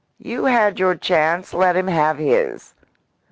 "You had your chance. Let him have his."